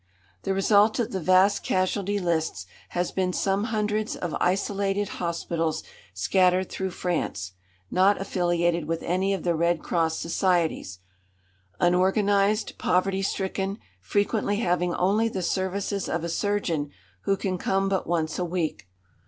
The result of the vast casualty lists has been some hundreds of isolated hospitals scattered through France, not affiliated with any of the Red Cross societies, unorganised, poverty stricken, frequently having only the services of a surgeon who can come but once a week.